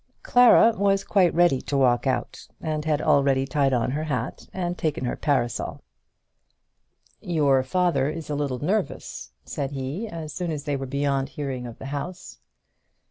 Clara was quite ready to walk out, and had already tied on her hat and taken her parasol. "Your father is a little nervous," said he, as soon as they were beyond hearing of the house.